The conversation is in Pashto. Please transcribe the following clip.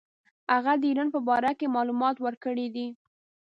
هغه د ایران په باره کې معلومات ورکړي دي.